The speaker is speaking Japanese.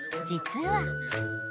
実は。